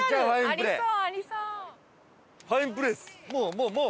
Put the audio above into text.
もうもう！